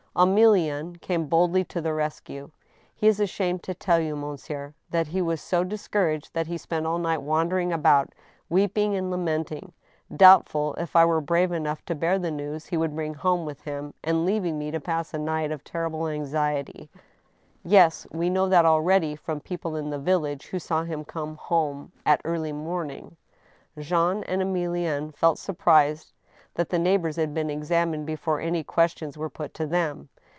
Emilienne came boldly to the rescue. " He is ashamed to tell you, monsieur, that he was so discour aged that he spent all night wandering about, weeping and lament ing, doubtful if I were brave enough to bear the news he would bring home with him, and leaving me to pass a night of terrible anxiety." " Yes. We know that already from people in the village who saw him come home at early morning." Jean and Emilienne felt surprised that the neighbors had been examined before any questions were put to them.